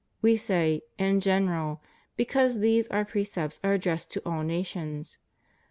We say in general, because these Our precepts are addressed to aU nations.